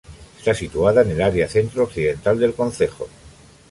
Está situada en el área centro occidental del concejo.